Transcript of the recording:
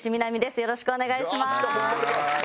よろしくお願いします。